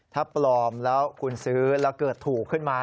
ถ้าปลอมแล้วคุณซื้อแล้วเกิดถูกขึ้นมา